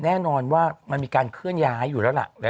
แน่นอนว่ามันมีการเคลื่อนย้ายอยู่แล้วล่ะ